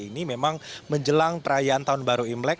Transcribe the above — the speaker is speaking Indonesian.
ini memang menjelang perayaan tahun baru imlek